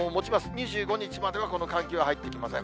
２５日まではこの寒気は入ってきません。